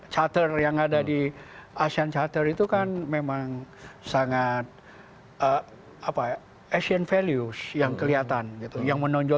charter yang ada di asean charter itu kan memang sangat asian values yang kelihatan gitu yang menonjol